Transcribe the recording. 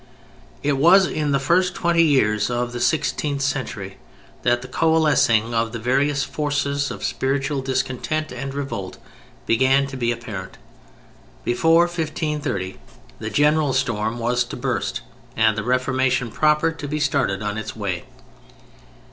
It was in the first twenty years of the sixteenth century that the coalescing of the various forces of spiritual discontent and revolt began to be apparent. Before 1530 the general storm was to burst and the Reformation proper to be started on its way.